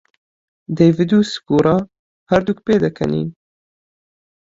دەیڤد و سکورا هەردووک پێدەکەنین.